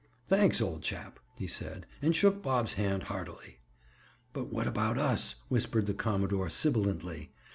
"Thanks, old chap," he said, and shook Bob's hand heartily. "But what about us?" whispered the commodore sibilantly.